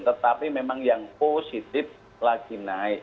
tetapi memang yang positif lagi naik